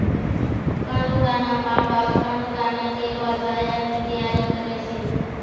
ڪانوڙا نان ما ٻاپ ڪانوڙا نين تيرووا زايا نِي تياري ڪري سي